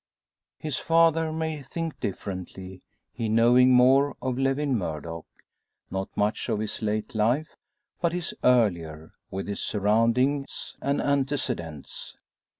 His father may think differently, he knowing more of Lewin Murdock. Not much of his late life, but his earlier, with its surroundings and antecedents.